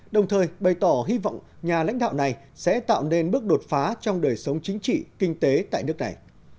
đồng thời bày tỏ hy vọng nhà lãnh đạo này sẽ tạo nên bước đột phá trong đời sống chính trị kinh tế tại nước này